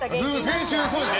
先週、そうです。